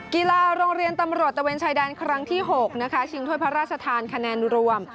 กีฬาโรงเรียนตำรวจตะเวนชายแดนครั้งที่๖นะคะชิงถ้วยพระราชทานคะแนนรวม